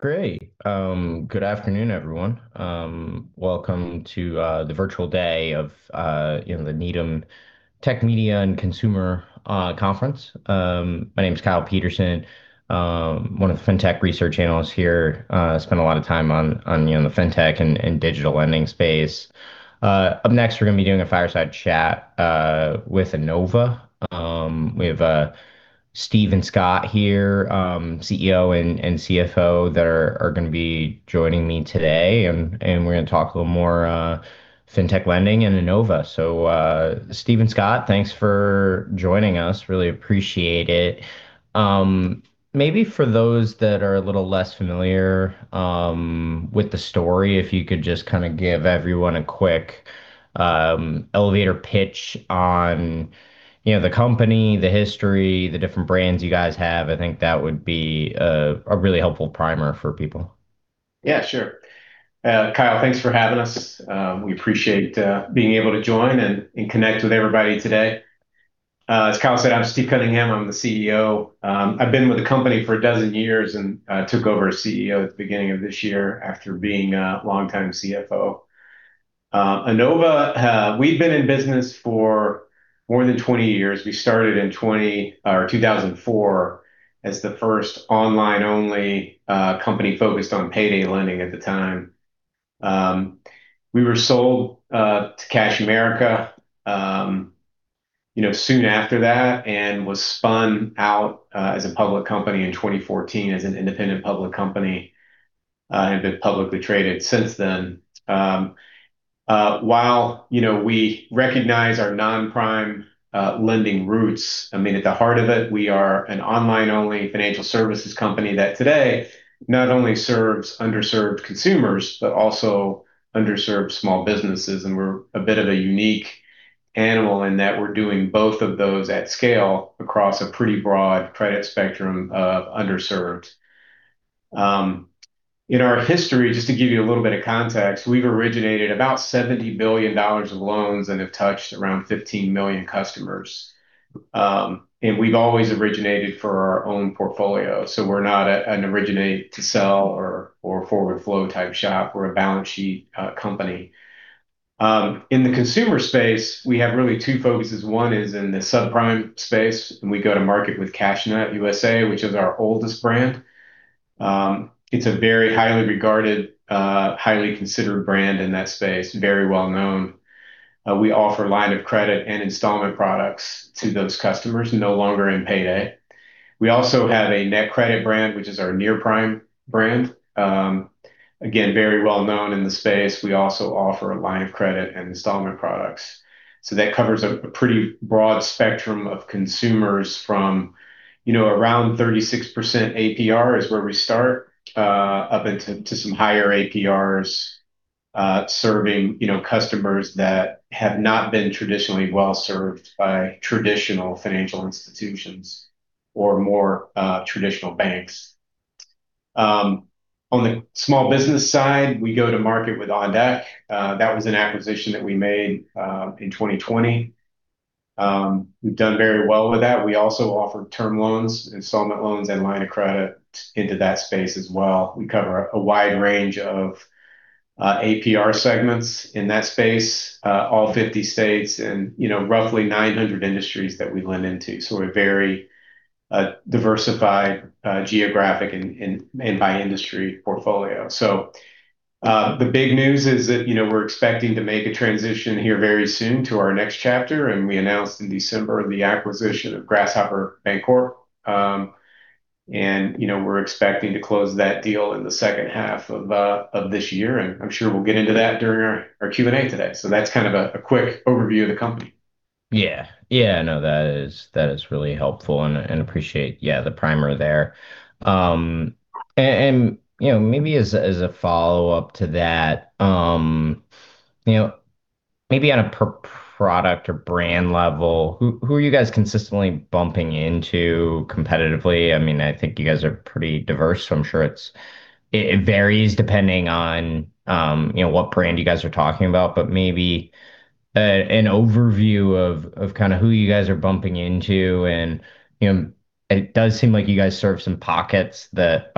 Great. Good afternoon, everyone. Welcome to Virtual Day of, you know, the Needham Tech, Media, and Consumer Conference. My name's Kyle Peterson, one of the Fintech research analysts here. Spend a lot of time on, you know, the Fintech and digital lending space. Up next, we're gonna be doing a fireside chat with Enova. We have Steve and Scott here, CEO and CFO that are gonna be joining me today. We're gonna talk a little more Fintech lending and Enova. Steve and Scott, thanks for joining us. Really appreciate it. Maybe for those that are a little less familiar, with the story, if you could just kinda give everyone a quick, elevator pitch on, you know, the company, the history, the different brands you guys have. I think that would be a really helpful primer for people. Yeah, sure. Kyle, thanks for having us. We appreciate being able to join and connect with everybody today. As Kyle said, I'm Steve Cunningham, I'm the CEO. I've been with the company for a dozen years, and I took over as CEO at the beginning of this year after being longtime CFO. Enova, we've been in business for more than 20 years. We started in 2004 as the first online-only company focused on payday lending at the time. We were sold to Cash America, you know, soon after that, was spun out as a public company in 2014 as an independent public company, have been publicly traded since then. While, you know, we recognize our non-prime lending roots, I mean, at the heart of it, we are an online-only financial services company that today not only serves underserved consumers, but also underserved small businesses. We're a bit of a unique animal in that we're doing both of those at scale across a pretty broad credit spectrum of underserved. In our history, just to give you a little bit of context, we've originated about $70 billion of loans and have touched around 15 million customers. We've always originated for our own portfolio, so we're not an originate-to-sell or forward flow type shop. We're a balance sheet company. In the consumer space, we have really two focuses. One is in the subprime space, and we go to market with CashNetUSA, which is our oldest brand. It's a very highly regarded, highly considered brand in that space, very well-known. We offer line of credit and installment products to those customers no longer in payday. We also have a NetCredit brand, which is our near-prime brand. Again, very well-known in the space. We also offer a line of credit and installment products. That covers a pretty broad spectrum of consumers from, you know, around 36% APR is where we start, up into some higher APRs, serving, you know, customers that have not been traditionally well-served by traditional financial institutions or more traditional banks. On the small business side, we go to market with OnDeck. That was an acquisition that we made in 2020. We've done very well with that. We also offer term loans, installment loans, and line of credit into that space as well. We cover a wide range of APR segments in that space, all 50 states and, you know, roughly 900 industries that we lend into. We're very diversified geographic and by industry portfolio. The big news is that, you know, we're expecting to make a transition here very soon to our next chapter, and we announced in December the acquisition of Grasshopper Bancorp. You know, we're expecting to close that deal in the second half of this year, and I'm sure we'll get into that during our Q&A today. That's kind of a quick overview of the company. Yeah, no, that is really helpful, and appreciate, yeah, the primer there. You know, maybe as a, as a follow-up to that, you know, maybe on a per product or brand level, who are you guys consistently bumping into competitively? I mean, I think you guys are pretty diverse, so I'm sure it varies depending on, you know, what brand you guys are talking about. Maybe an overview of kinda who you guys are bumping into and, you know, it does seem like you guys serve some pockets that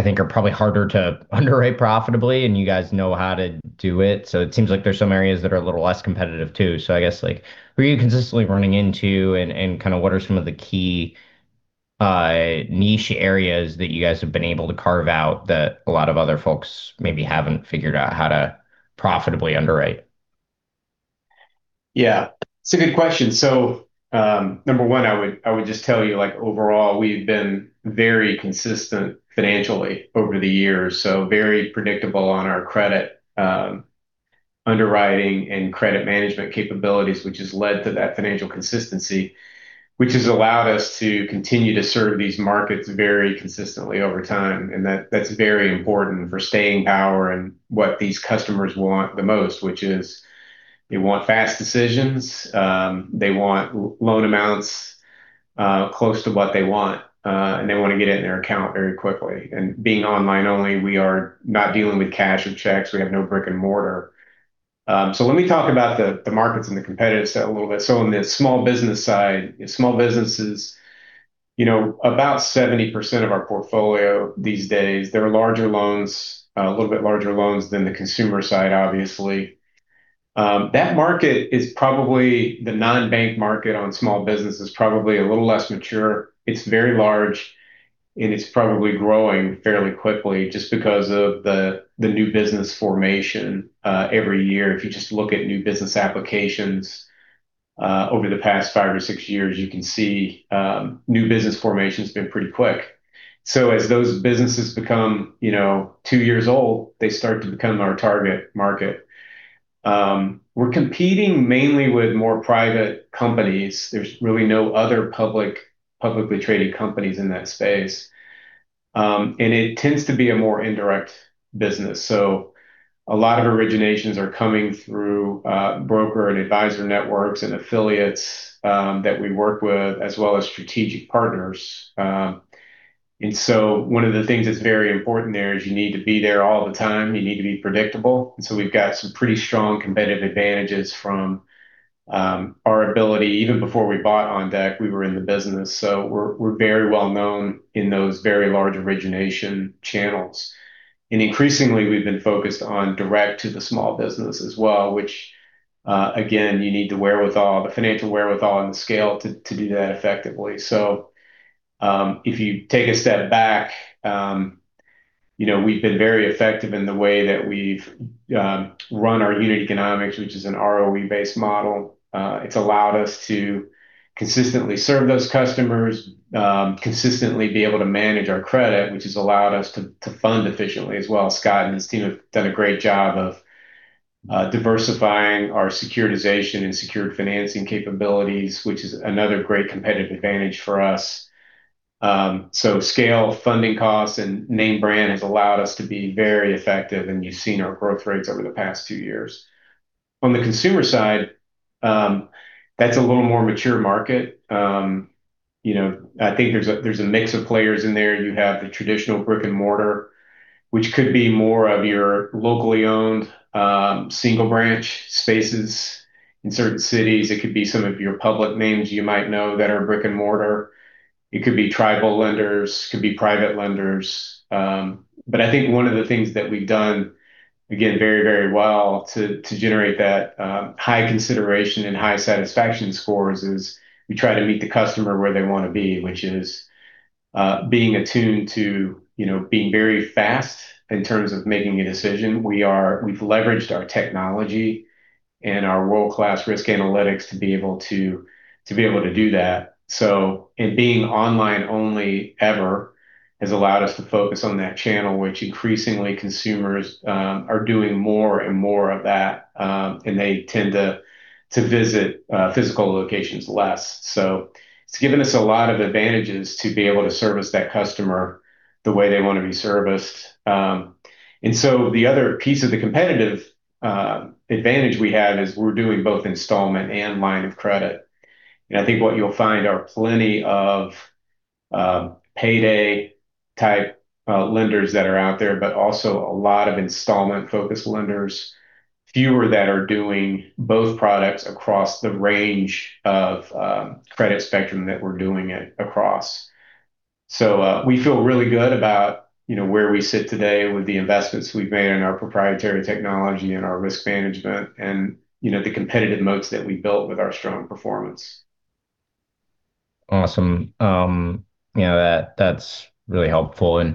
I think are probably harder to underwrite profitably, and you guys know how to do it. It seems like there's some areas that are a little less competitive too. I guess, like, who are you consistently running into and kinda what are some of the key, niche areas that you guys have been able to carve out that a lot of other folks maybe haven't figured out how to profitably underwrite? Yeah. It's a good question. Number one, I would just tell you, like, overall, we've been very consistent financially over the years, so very predictable on our credit underwriting and credit management capabilities, which has led to that financial consistency, which has allowed us to continue to serve these markets very consistently over time. That's very important for staying power and what these customers want the most, which is they want fast decisions, they want loan amounts close to what they want, and they wanna get it in their account very quickly. Being online only, we are not dealing with cash or checks. We have no brick-and-mortar. Let me talk about the markets and the competitive set a little bit. On the small business side, small businesses, you know, about 70% of our portfolio these days, they are larger loans, a little bit larger loans than the consumer side, obviously. That market is probably the non-bank market on small business is probably a little less mature. It's very large, and it's probably growing fairly quickly just because of the new business formation. Every year, if you just look at new business applications, over the past five or six years, you can see, new business formation has been pretty quick. As those businesses become, you know, two years old, they start to become our target market. We're competing mainly with more private companies. There's really no other public, publicly traded companies in that space. It tends to be a more indirect business. A lot of originations are coming through broker and advisor networks and affiliates that we work with, as well as strategic partners. One of the things that's very important there is you need to be there all the time. You need to be predictable. We've got some pretty strong competitive advantages from our ability. Even before we bought OnDeck, we were in the business. We're very well known in those very large origination channels. Increasingly, we've been focused on direct to the small business as well, which again, you need the wherewithal, the financial wherewithal and the scale to do that effectively. If you take a step back, you know, we've been very effective in the way that we've run our unit economics, which is an ROE-based model. It's allowed us to consistently serve those customers, consistently be able to manage our credit, which has allowed us to fund efficiently as well. Scott and his team have done a great job of diversifying our securitization and secured financing capabilities, which is another great competitive advantage for us. Scale funding costs and name brand has allowed us to be very effective, and you've seen our growth rates over the past two years. On the consumer side, that's a little more mature market. You know, I think there's a mix of players in there. You have the traditional brick-and-mortar, which could be more of your locally owned, single branch spaces in certain cities. It could be some of your public names you might know that are brick-and-mortar. It could be tribal lenders, it could be private lenders. I think one of the things that we've done, again, very, very well to generate that high consideration and high satisfaction scores is we try to meet the customer where they want to be, which is being attuned to, you know, being very fast in terms of making a decision. We've leveraged our technology and our world-class risk analytics to be able to do that. Being online only ever has allowed us to focus on that channel, which increasingly consumers are doing more and more of that, and they tend to visit physical locations less. It's given us a lot of advantages to be able to service that customer the way they want to be serviced. The other piece of the competitive advantage we have is we're doing both installment and line of credit. I think what you'll find are plenty of payday-type lenders that are out there, but also a lot of installment-focused lenders, fewer that are doing both products across the range of credit spectrum that we're doing it across. We feel really good about, you know, where we sit today with the investments we've made in our proprietary technology and our risk management and, you know, the competitive moats that we built with our strong performance. Awesome. You know, that's really helpful.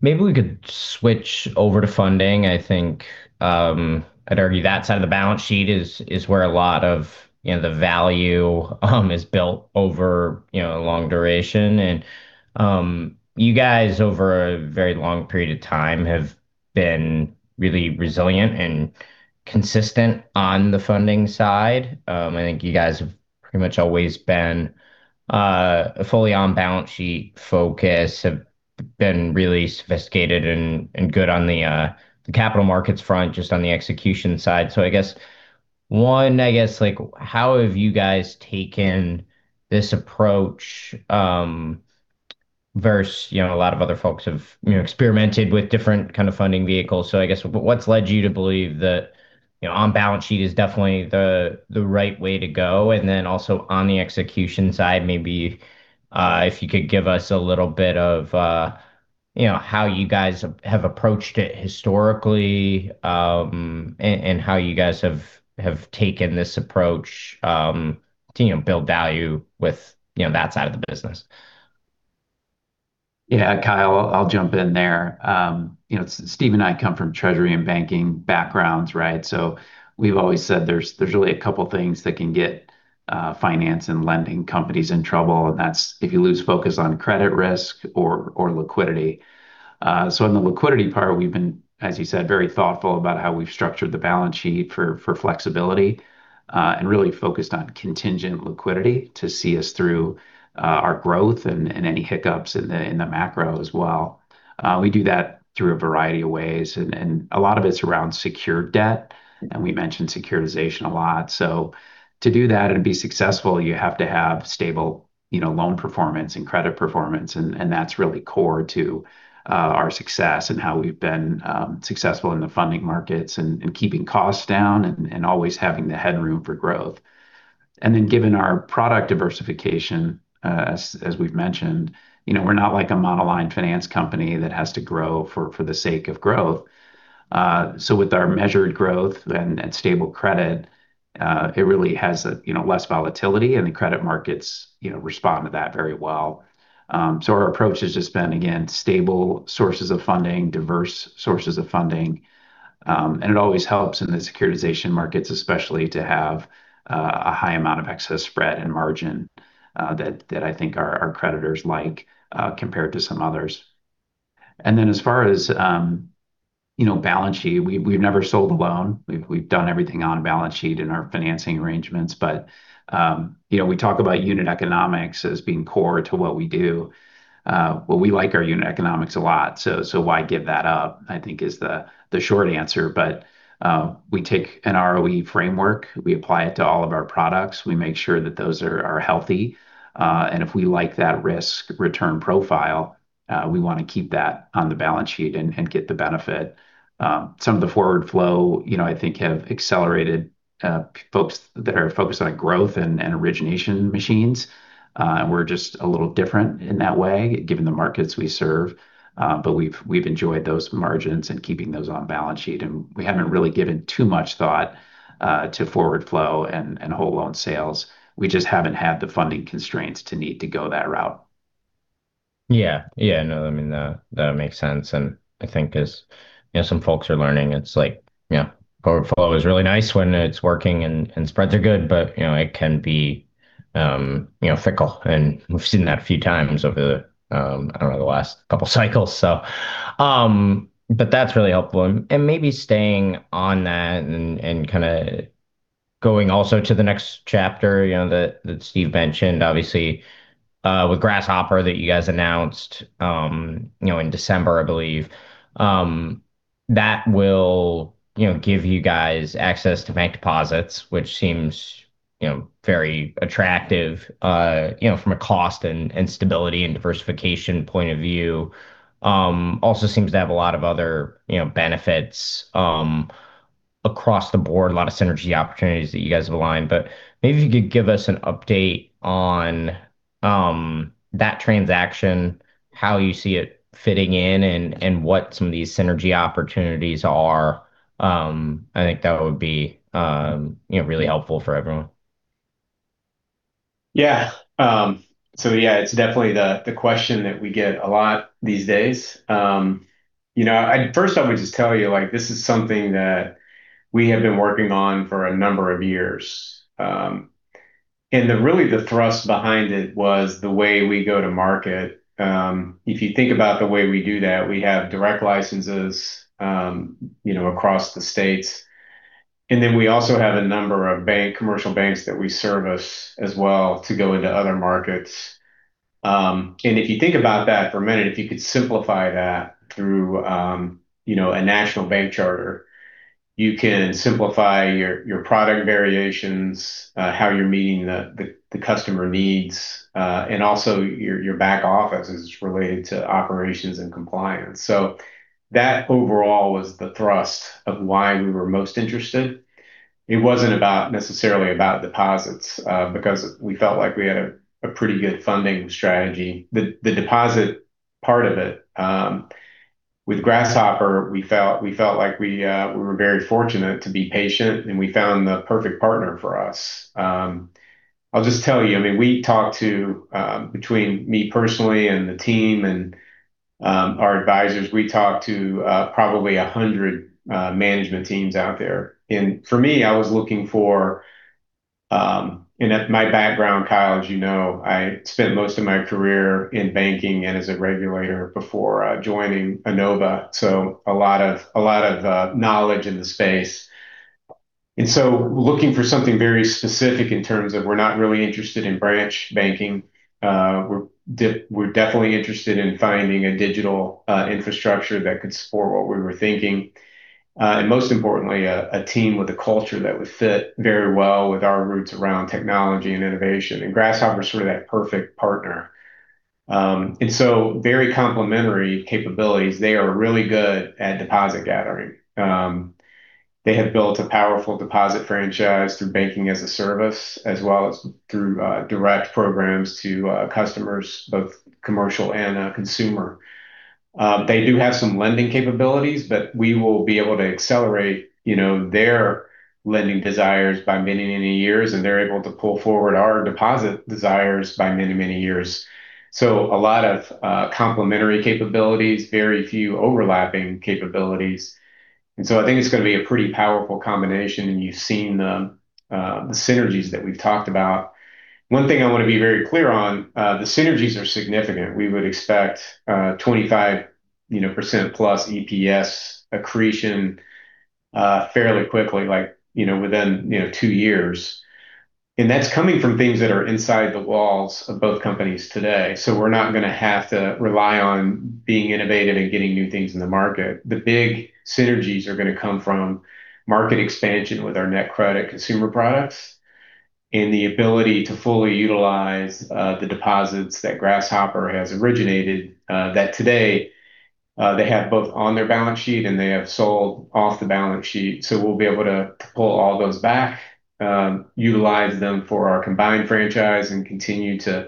Maybe we could switch over to funding. I think, I'd argue that side of the balance sheet is where a lot of, you know, the value, is built over, you know, a long duration. You guys, over a very long period of time, have been really resilient and consistent on the funding side. I think you guys have pretty much always been, fully on balance sheet focus, have been really sophisticated and good on the capital markets front, just on the execution side. I guess, one, I guess, like, how have you guys taken this approach, versus, you know, a lot of other folks have, you know, experimented with different kind of funding vehicles. I guess what's led you to believe that on balance sheet is definitely the right way to go? And then also on the execution side, maybe, if you could give us a little bit of how you guys have approached it historically, and how you guys have taken this approach to build value with that side of the business. Yeah. Kyle, I'll jump in there. you know, Steve and I come from treasury and banking backgrounds, right? We've always said there's really a couple things that can get finance and lending companies in trouble, and that's if you lose focus on credit risk or liquidity. On the liquidity part, we've been, as you said, very thoughtful about how we've structured the balance sheet for flexibility, and really focused on contingent liquidity to see us through our growth and any hiccups in the macro as well. We do that through a variety of ways, and a lot of it's around secured debt, and we mentioned securitization a lot. To do that and be successful, you have to have stable You know, loan performance and credit performance, that's really core to our success and how we've been successful in the funding markets and keeping costs down and always having the headroom for growth. Given our product diversification, as we've mentioned, you know, we're not like a monoline finance company that has to grow for the sake of growth. With our measured growth and stable credit, it really has, you know, less volatility, and the credit markets, you know, respond to that very well. Our approach has just been, again, stable sources of funding, diverse sources of funding, and it always helps in the securitization markets especially to have a high amount of excess spread and margin that I think our creditors like compared to some others. As far as, you know, balance sheet, we've never sold a loan. We've done everything on balance sheet in our financing arrangements. You know, we talk about unit economics as being core to what we do. Well, we like our unit economics a lot, so why give that up, I think is the short answer. We take an ROE framework, we apply it to all of our products, we make sure that those are healthy, and if we like that risk-return profile, we wanna keep that on the balance sheet and get the benefit. Some of the forward flow, you know, I think have accelerated, folks that are focused on growth and origination machines. We're just a little different in that way given the markets we serve. We've enjoyed those margins and keeping those on balance sheet, and we haven't really given too much thought to forward flow and whole loan sales. We just haven't had the funding constraints to need to go that route. Yeah. Yeah. No, I mean, that makes sense, and I think as, you know, some folks are learning, it's like, you know, forward flow is really nice when it's working and spreads are good, but, you know, it can be, you know, fickle, and we've seen that a few times over the, I don't know, the last couple cycles. But that's really helpful. Maybe staying on that and kinda going also to the next chapter, you know, that Steve mentioned, obviously, with Grasshopper that you guys announced, you know, in December, I believe, that will, you know, give you guys access to bank deposits, which seems, you know, very attractive, you know, from a cost and stability and diversification point of view. Also seems to have a lot of other, you know, benefits across the board, a lot of synergy opportunities that you guys have aligned. Maybe if you could give us an update on that transaction, how you see it fitting in, and what some of these synergy opportunities are, I think that would be, you know, really helpful for everyone. It's definitely the question that we get a lot these days. You know, first I would just tell you, like, this is something that we have been working on for a number of years. The really the thrust behind it was the way we go to market. If you think about the way we do that, we have direct licenses, you know, across the states, we also have a number of commercial banks that we service as well to go into other markets. If you think about that for a minute, if you could simplify that through, you know, a national bank charter, you can simplify your product variations, how you're meeting the customer needs, also your back office as it's related to operations and compliance. That overall was the thrust of why we were most interested. It wasn't about necessarily about deposits, because we felt like we had a pretty good funding strategy. The deposit part of it, with Grasshopper, we felt like we were very fortunate to be patient, and we found the perfect partner for us. I'll just tell you, I mean, we talked to, between me personally and the team and our advisors, we talked to probably 100 management teams out there. For me, I was looking for, at my background, Kyle, as you know, I spent most of my career in banking and as a regulator before joining Enova, so a lot of knowledge in the space. Looking for something very specific in terms of we're not really interested in branch banking. We're definitely interested in finding a digital infrastructure that could support what we were thinking. Most importantly, a team with a culture that would fit very well with our roots around technology and innovation, Grasshopper's sort of that perfect partner. Very complementary capabilities. They are really good at deposit gathering. They have built a powerful deposit franchise through banking as a service, as well as through direct programs to customers, both commercial and consumer. They do have some lending capabilities, we will be able to accelerate, you know, their lending desires by many, many years, they're able to pull forward our deposit desires by many, many years. A lot of complementary capabilities, very few overlapping capabilities. I think it's gonna be a pretty powerful combination, and you've seen the synergies that we've talked about. One thing I wanna be very clear on, the synergies are significant. We would expect 25%+ EPS accretion fairly quickly, like, you know, within, you know, two years. That's coming from things that are inside the walls of both companies today, so we're not gonna have to rely on being innovative and getting new things in the market. The big synergies are gonna come from market expansion with our NetCredit consumer products In the ability to fully utilize the deposits that Grasshopper has originated that today they have both on their balance sheet and they have sold off the balance sheet. We'll be able to pull all those back, utilize them for our combined franchise and continue to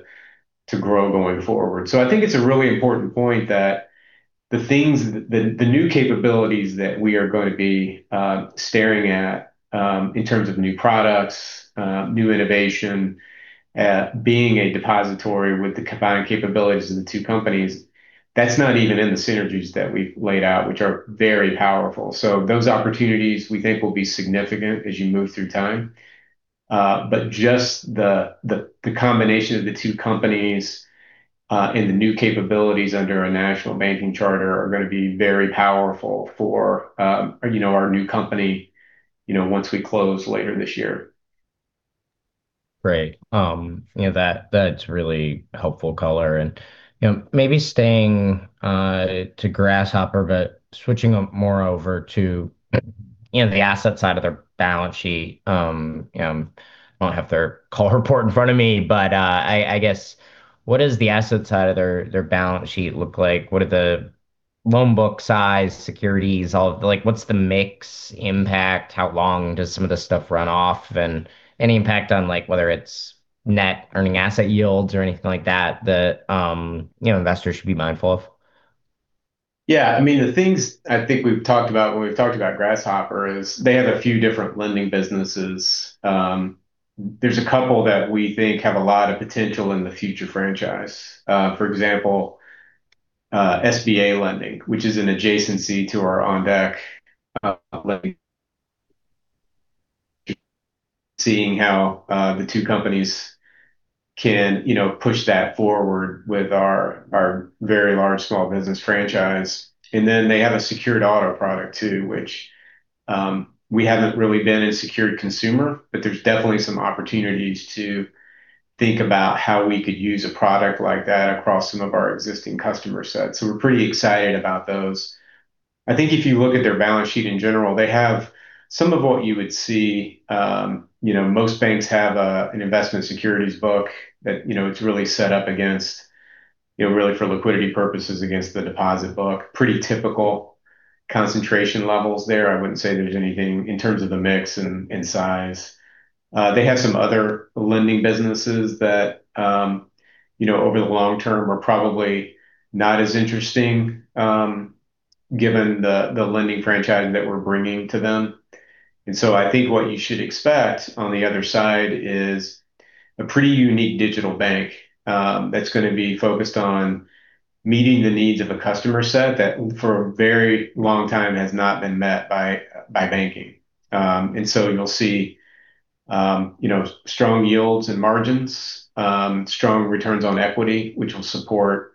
grow going forward. I think it's a really important point that the new capabilities that we are gonna be staring at, in terms of new products, new innovation, being a depository with the combined capabilities of the two companies, that's not even in the synergies that we've laid out, which are very powerful. Those opportunities we think will be significant as you move through time. Just the combination of the two companies, and the new capabilities under a national bank charter are gonna be very powerful for, you know, our new company, you know, once we close later this year. Great. you know, that's really helpful color and, you know, maybe staying to Grasshopper, but switching more over to, you know, the asset side of their balance sheet. you know, I don't have their call report in front of me, but I guess what is the asset side of their balance sheet look like? What are the loan book size, securities, all of like what's the mix impact? How long does some of this stuff run off? And any impact on like whether it's net earning asset yields or anything like that, you know, investors should be mindful of? I mean, the things I think we've talked about when we've talked about Grasshopper is they have a few different lending businesses. There's a couple that we think have a lot of potential in the future franchise. For example, SBA lending, which is an adjacency to our OnDeck lending. Seeing how the two companies can, you know, push that forward with our very large small business franchise. Then they have a secured auto product too, which we haven't really been a secured consumer, but there's definitely some opportunities to think about how we could use a product like that across some of our existing customer sets. We're pretty excited about those. I think if you look at their balance sheet in general, they have some of what you would see, you know, most banks have an investment securities book that, you know, it's really set up against, you know, really for liquidity purposes against the deposit book. Pretty typical concentration levels there. I wouldn't say there's anything in terms of the mix and size. They have some other lending businesses that, you know, over the long-term are probably not as interesting given the lending franchise that we're bringing to them. I think what you should expect on the other side is a pretty unique digital bank that's gonna be focused on meeting the needs of a customer set that for a very long time has not been met by banking. You'll see, you know, strong yields and margins, strong ROE, which will support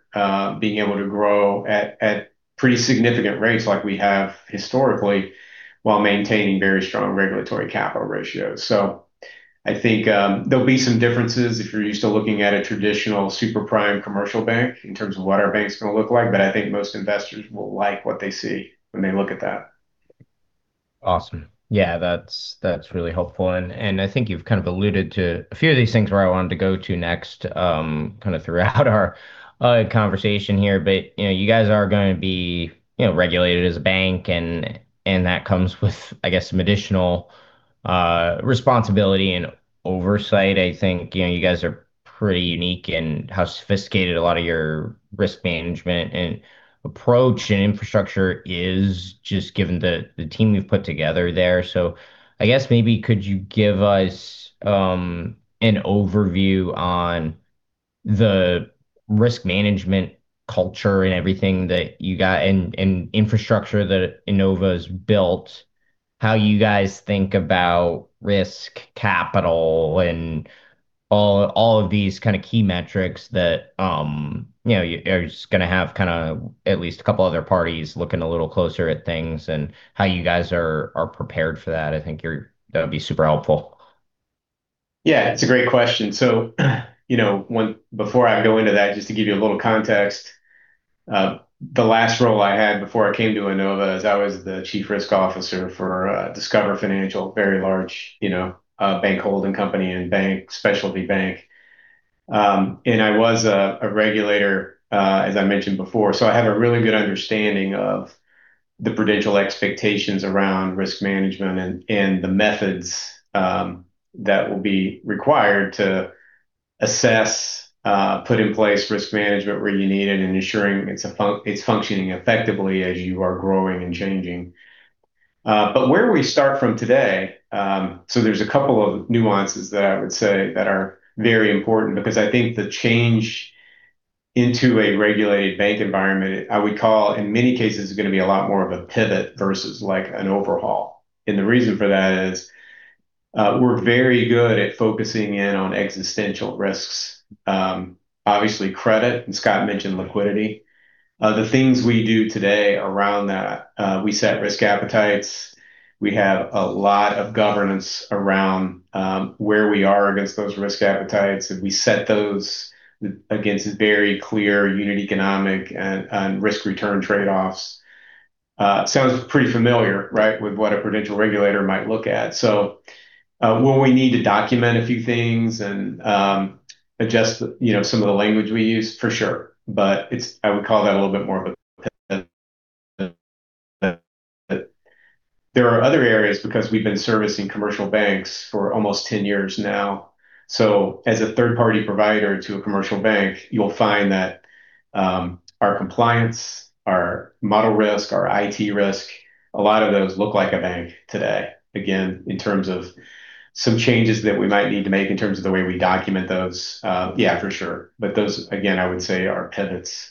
being able to grow at pretty significant rates like we have historically while maintaining very strong regulatory capital ratios. I think there'll be some differences if you're used to looking at a traditional super prime commercial bank in terms of what our bank's gonna look like, but I think most investors will like what they see when they look at that. Awesome. Yeah, that's really helpful. I think you've kind of alluded to a few of these things where I wanted to go to next, kind of throughout our conversation here. You know, you guys are gonna be, you know, regulated as a bank and that comes with, I guess, some additional responsibility and oversight. I think, you know, you guys are pretty unique in how sophisticated a lot of your risk management and approach and infrastructure is just given the team you've put together there. I guess maybe could you give us an overview on the risk management culture and everything that you got and infrastructure that Enova's built, how you guys think about risk capital and all of these kind of key metrics that, you know, you're just gonna have kinda at least a couple other parties looking a little closer at things and how you guys are prepared for that. I think that'd be super helpful. Yeah, it's a great question. you know, before I go into that, just to give you a little context, the last role I had before I came to Enova is I was the Chief Risk Officer for Discover Financial, very large, you know, bank holding company and specialty bank. I was a regulator, as I mentioned before. I have a really good understanding of the prudential expectations around risk management and the methods that will be required to assess, put in place risk management where you need it and ensuring it's functioning effectively as you are growing and changing. Where we start from today, there's a couple of nuances that I would say that are very important because I think the change into a regulated bank environment, I would call in many cases is gonna be a lot more of a pivot versus like an overhaul. The reason for that is, we're very good at focusing in on existential risks. Obviously credit, and Scott mentioned liquidity. The things we do today around that, we set risk appetites. We have a lot of governance around where we are against those risk appetites, and we set those against very clear unit economic and risk-return trade-offs. Sounds pretty familiar, right, with what a prudential regulator might look at. Will we need to document a few things and adjust, you know, some of the language we use? For sure. I would call that a little bit more of a. There are other areas, because we've been servicing commercial banks for almost 10 years now. As a third-party provider to a commercial bank, you'll find that our compliance, our model risk, our IT risk, a lot of those look like a bank today. In terms of some changes that we might need to make in terms of the way we document those, yeah, for sure. Those, again, I would say are pivots.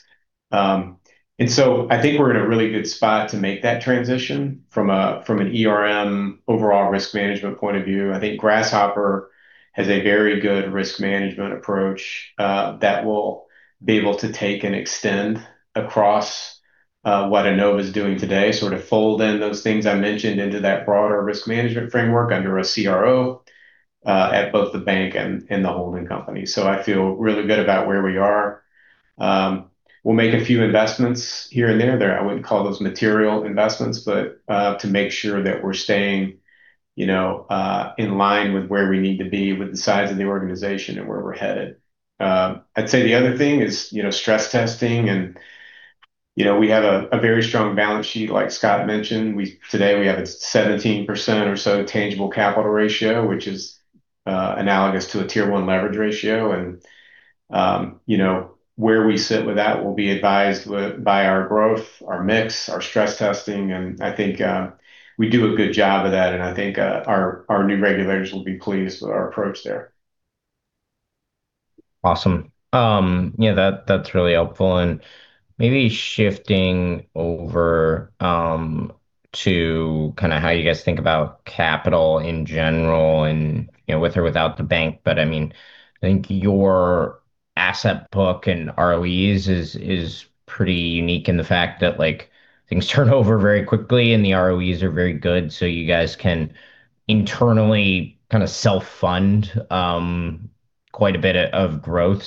I think we're in a really good spot to make that transition from an ERM overall risk management point of view. I think Grasshopper has a very good risk management approach that we'll be able to take and extend across what Enova is doing today, sort of fold in those things I mentioned into that broader risk management framework under a CRO at both the bank and the holding company. I feel really good about where we are. We'll make a few investments here and there. I wouldn't call those material investments, but to make sure that we're staying, you know, in line with where we need to be with the size of the organization and where we're headed. I'd say the other thing is, you know, stress testing and, you know, we have a very strong balance sheet, like Scott mentioned. Today we have a 17% or so tangible capital ratio, which is analogous to a Tier 1 leverage ratio. You know, where we sit with that, we'll be advised by our growth, our mix, our stress testing, and I think we do a good job of that, and I think our new regulators will be pleased with our approach there. Awesome. Yeah, that's really helpful. Maybe shifting over to kinda how you guys think about capital in general and, you know, with or without the bank. I mean, I think your asset book and ROEs is pretty unique in the fact that, like, things turn over very quickly, and the ROEs are very good, so you guys can internally kinda self-fund quite a bit of growth.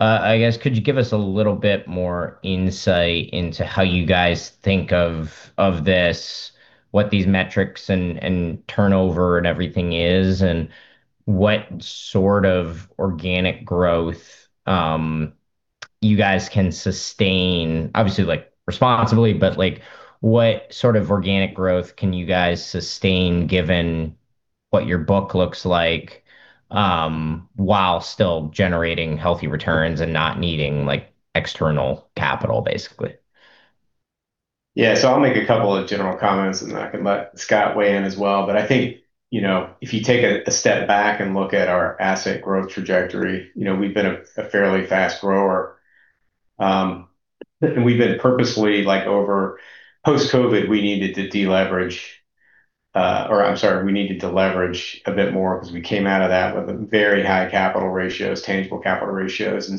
I guess could you give us a little bit more insight into how you guys think of this, what these metrics and turnover and everything is, and what sort of organic growth you guys can sustain, obviously, like, responsibly. Like, what sort of organic growth can you guys sustain given what your book looks like, while still generating healthy returns and not needing, like, external capital, basically? I'll make a couple of general comments, and then I can let Scott weigh in as well. I think, you know, if you take a step back and look at our asset growth trajectory, you know, we've been a fairly fast grower. Like over post-COVID, we needed to deleverage, or I'm sorry, we needed to leverage a bit more 'cause we came out of that with very high capital ratios, tangible capital ratios.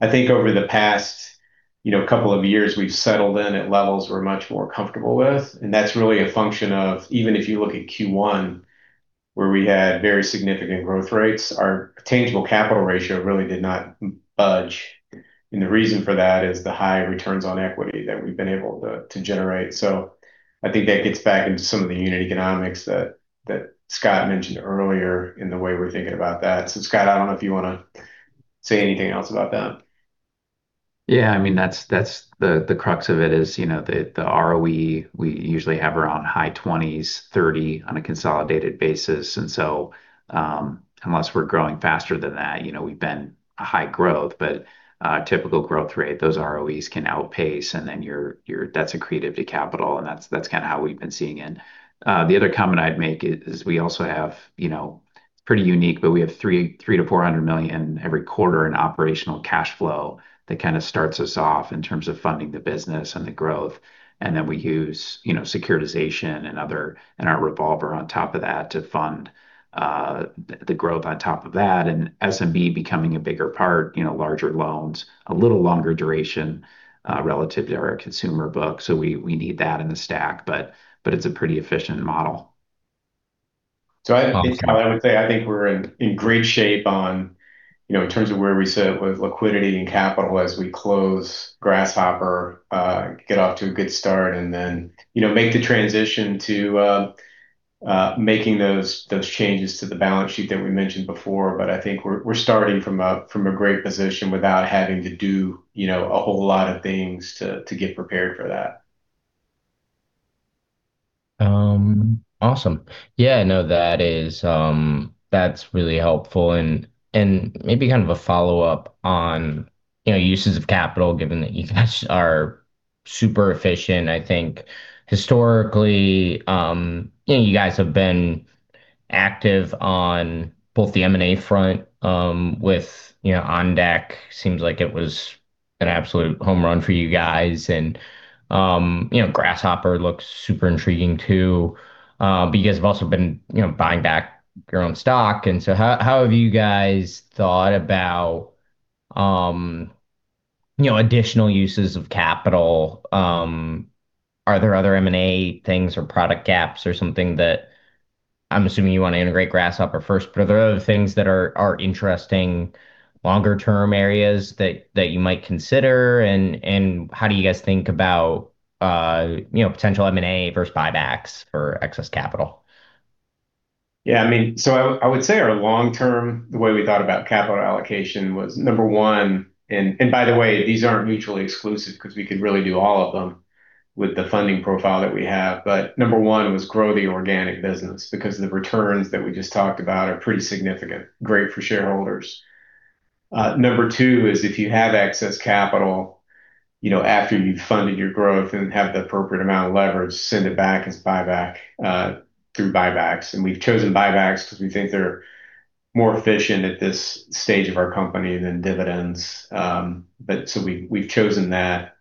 I think over the past, you know, couple of years, we've settled in at levels we're much more comfortable with, and that's really a function of even if you look at Q1, where we had very significant growth rates, our tangible capital ratio really did not budge. The reason for that is the high returns on equity that we've been able to generate. I think that gets back into some of the unit economics that Scott mentioned earlier in the way we're thinking about that. Scott, I don't know if you wanna say anything else about that. Yeah. I mean, that's the crux of it is, you know, the ROE we usually have around high 20s, 30 on a consolidated basis. Unless we're growing faster than that, you know, we've been a high growth. A typical growth rate, those ROEs can outpace, and then that's accretive to capital, and that's kind of how we've been seeing it. The other comment I'd make is we also have, you know, pretty unique, but we have $300 million-$400 million every quarter in operational cash flow that kind of starts us off in terms of funding the business and the growth. We use, you know, securitization and our revolver on top of that to fund the growth on top of that. SMB becoming a bigger part, you know, larger loans, a little longer duration, relative to our consumer book. We need that in the stack, but it's a pretty efficient model. I think, I would say, I think we're in great shape on, you know, in terms of where we sit with liquidity and capital as we close Grasshopper, get off to a good start, and then, you know, make the transition to making those changes to the balance sheet that we mentioned before. I think we're starting from a great position without having to do, you know, a whole lot of things to get prepared for that. Awesome. Yeah, no, that is, that's really helpful. Maybe kind of a follow-up on, you know, uses of capital, given that you guys are super efficient. I think historically, you know, you guys have been active on both the M&A front, with, you know, OnDeck. Seems like it was an absolute home run for you guys. Grasshopper looks super intriguing too. But you guys have also been, you know, buying back your own stock. How, how have you guys thought about, you know, additional uses of capital? Are there other M&A things or product gaps or something I'm assuming you wanna integrate Grasshopper first, but are there other things that are interesting longer term areas that you might consider? How do you guys think about, you know, potential M&A versus buybacks for excess capital? I mean, I would say our long-term, the way we thought about capital allocation was number one. By the way, these aren't mutually exclusive because we could really do all of them with the funding profile that we have. Number one was grow the organic business because the returns that we just talked about are pretty significant, great for shareholders. Number two is if you have excess capital, you know, after you've funded your growth and have the appropriate amount of leverage, send it back as buyback through buybacks. We've chosen buybacks because we think they're more efficient at this stage of our company than dividends. We've chosen that.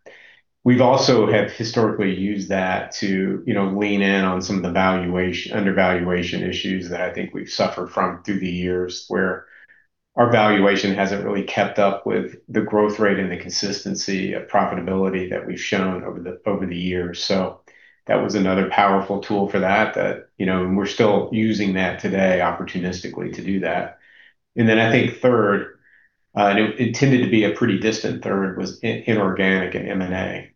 We've also have historically used that to, you know, lean in on some of the valuation, undervaluation issues that I think we've suffered from through the years, where our valuation hasn't really kept up with the growth rate and the consistency of profitability that we've shown over the years. That was another powerful tool for that, you know, and we're still using that today opportunistically to do that. I think third, and it intended to be a pretty distant third, was inorganic and M&A.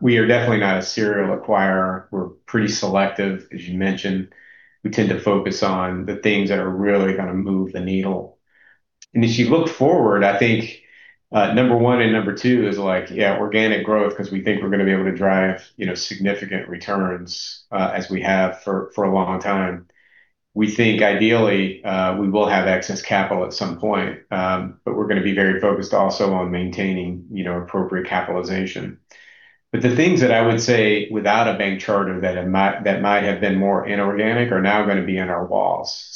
We are definitely not a serial acquirer. We're pretty selective, as you mentioned. We tend to focus on the things that are really gonna move the needle. As you look forward, I think, number one and number two is like, yeah, organic growth because we think we're gonna be able to drive, you know, significant returns, as we have for a long time. We think ideally, we will have excess capital at some point, but we're gonna be very focused also on maintaining, you know, appropriate capitalization. The things that I would say without a bank charter that might, that might have been more inorganic are now gonna be in our walls.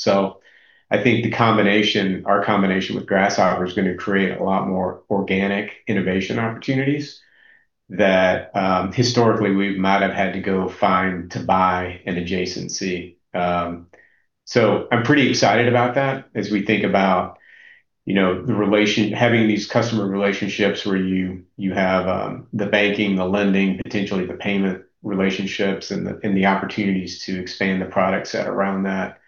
I think the combination, our combination with Grasshopper is gonna create a lot more organic innovation opportunities that historically we might have had to go find to buy an adjacency. I'm pretty excited about that as we think about, you know, the having these customer relationships where you have the banking, the lending, potentially the payment relationships and the opportunities to expand the product set around that,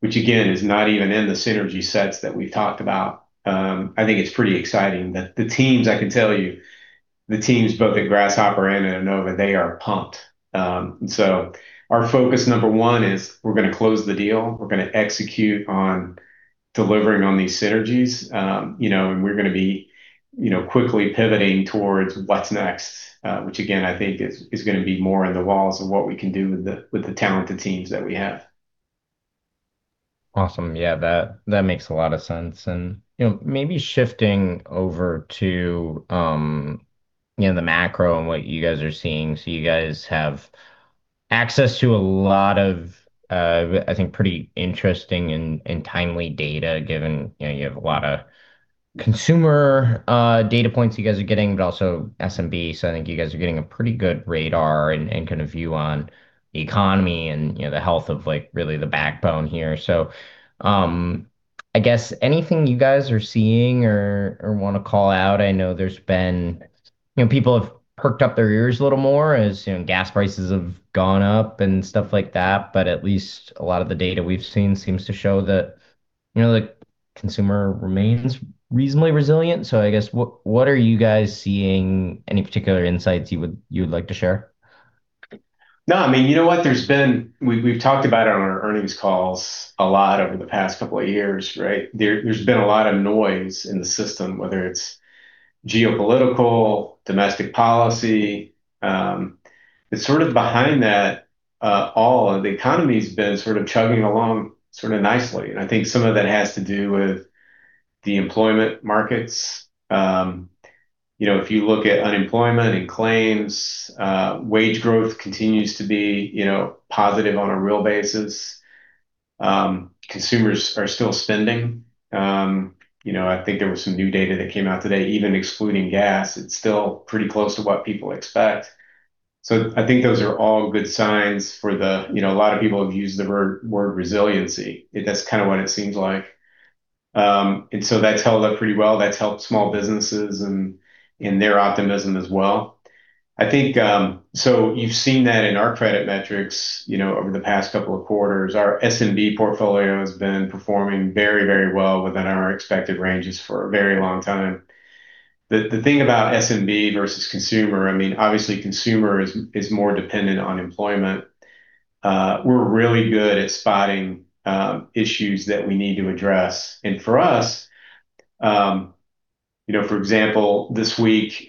which again, is not even in the synergy sets that we've talked about. I think it's pretty exciting. The teams, I can tell you, the teams both at Grasshopper and at Enova, they are pumped. Our focus number one is we're gonna close the deal. We're gonna execute on delivering on these synergies. You know, we're gonna be, you know, quickly pivoting towards what's next, which again, I think is gonna be more in the walls of what we can do with the talented teams that we have. Awesome. Yeah, that makes a lot of sense. You know, maybe shifting over to, you know, the macro and what you guys are seeing. You guys have access to a lot of, I think pretty interesting and timely data given, you know, you have a lot of consumer data points you guys are getting, but also SMB. I think you guys are getting a pretty good radar and kind of view on economy and, you know, the health of like really the backbone here. I guess anything you guys are seeing or wanna call out, I know you know, people have perked up their ears a little more as, you know, gas prices have gone up and stuff like that, but at least a lot of the data we've seen seems to show that, you know, the consumer remains reasonably resilient. I guess what are you guys seeing? Any particular insights you would like to share? I mean, you know what? We've talked about it on our earnings calls a lot over the past couple of years, right? There's been a lot of noise in the system, whether it's geopolitical, domestic policy. It's sort of behind that all. The economy's been sort of chugging along sorta nicely, I think some of that has to do with the employment markets. You know, if you look at unemployment and claims, wage growth continues to be, you know, positive on a real basis. Consumers are still spending. You know, I think there was some new data that came out today, even excluding gas, it's still pretty close to what people expect. I think those are all good signs, you know, a lot of people have used the word resiliency. That's kind of what it seems like. That's held up pretty well. That's helped small businesses and their optimism as well. I think, you've seen that in our credit metrics, you know, over the past couple of quarters. Our SMB portfolio has been performing very well within our expected ranges for a very long time. The thing about SMB versus consumer, I mean, obviously consumer is more dependent on employment. We're really good at spotting issues that we need to address. For us, you know, for example, this week,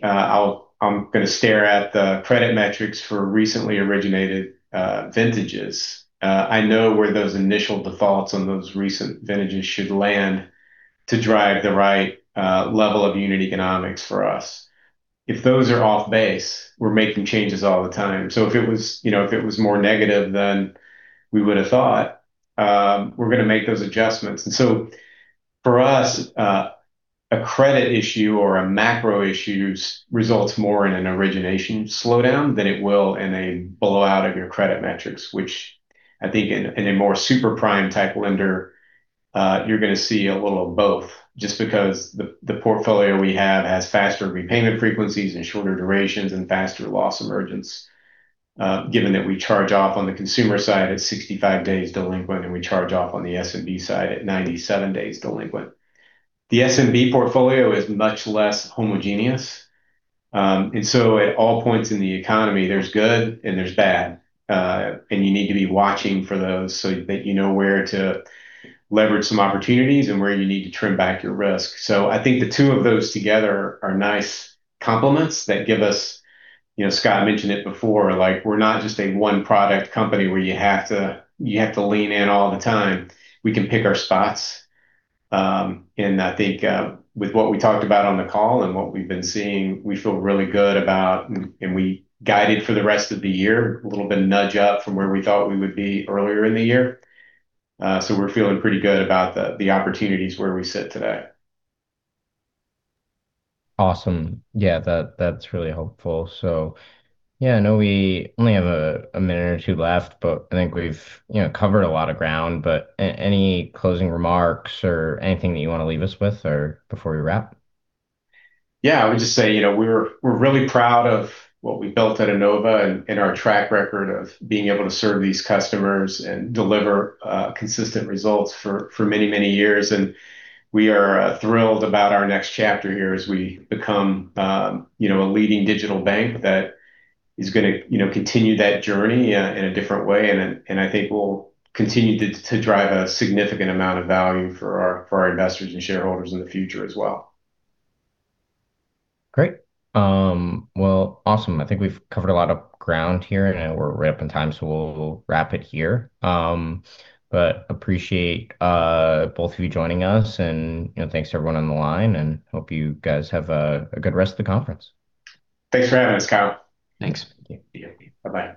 I'm gonna stare at the credit metrics for recently originated vintages. I know where those initial defaults on those recent vintages should land to drive the right level of unit economics for us. If those are off base, we're making changes all the time. If it was, you know, if it was more negative than we would have thought, we're gonna make those adjustments. For us, a credit issue or a macro issue results more in an origination slowdown than it will in a blowout of your credit metrics, which I think in a more super prime type lender. You're gonna see a little of both just because the portfolio we have has faster repayment frequencies and shorter durations and faster loss emergence, given that we charge off on the consumer side at 65 days delinquent and we charge off on the SMB side at 97 days delinquent. The SMB portfolio is much less homogeneous. At all points in the economy, there's good and there's bad, and you need to be watching for those so that you know where to leverage some opportunities and where you need to trim back your risk. I think the two of those together are nice complements that give us You know, Scott mentioned it before, like we're not just a one-product company where you have to lean in all the time. We can pick our spots, and I think with what we talked about on the call and what we've been seeing, we feel really good about and we guided for the rest of the year, a little bit of nudge up from where we thought we would be earlier in the year. We're feeling pretty good about the opportunities where we sit today. Awesome. That's really helpful. I know we only have a minute or two left, but I think we've, you know, covered a lot of ground. Any closing remarks or anything that you wanna leave us with or before we wrap? Yeah. I would just say, you know, we're really proud of what we built at Enova and our track record of being able to serve these customers and deliver consistent results for many, many years. We are thrilled about our next chapter here as we become, you know, a leading digital bank that is gonna, you know, continue that journey in a different way. I think we'll continue to drive a significant amount of value for our investors and shareholders in the future as well. Great. Well, awesome. I think we've covered a lot of ground here, and we're right up in time, so we'll wrap it here. Appreciate both of you joining us and, you know, thanks to everyone on the line, and hope you guys have a good rest of the conference. Thanks for having us, Kyle. Thanks. Thank you. Bye-bye.